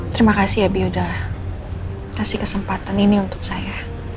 terima kasih ya bio udah kasih kesempatan ini untuk saya